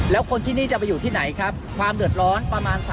แล้วคนที่นี่จะไปอยู่ที่ไหนครับความเดือดร้อนประมาณ